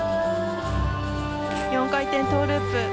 ４回転トウループ。